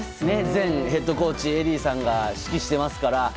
前ヘッドコーチのエディーさんが指揮をしていますから。